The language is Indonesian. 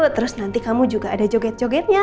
terus nanti kamu juga ada joget jogetnya